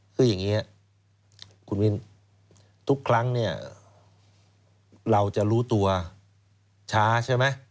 คืออย่างนี้คุณมินทุกครั้งเนี่ยเราจะรู้ตัวช้าใช่ไหม